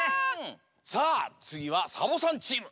さあつぎはサボさんチーム。